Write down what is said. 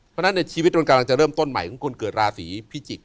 เพราะฉะนั้นในชีวิตตนกำลังจะเริ่มต้นใหม่ของคนเกิดราศีพิจิกษ